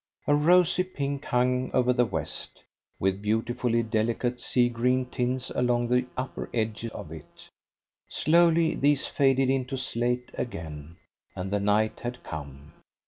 A rosy pink hung over the west, with beautifully delicate sea green tints along the upper edge of it. Slowly these faded into slate again, and the night had come.